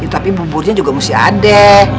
tapi buburnya juga mesti adek